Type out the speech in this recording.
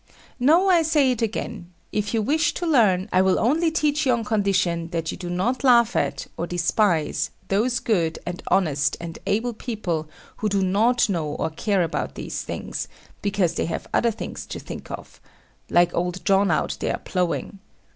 No. I say it again. If you wish to learn, I will only teach you on condition that you do not laugh at, or despise, those good and honest and able people who do not know or care about these things, because they have other things to think of: like old John out there ploughing.